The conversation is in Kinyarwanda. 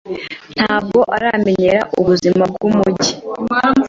Ntabwo aramenyera ubuzima bwumujyi.